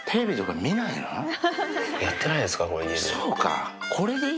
やってないですからこれ家で。